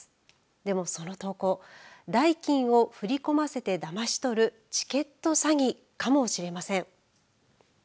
でも、その投稿代金を振り込ませて、だまし取るチケット詐欺かもしれません。